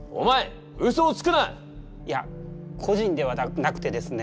いや個人ではなくてですね